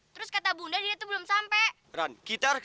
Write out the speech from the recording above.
terus tau tau semuanya gelap